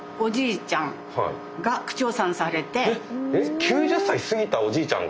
９０歳過ぎたおじいちゃんが？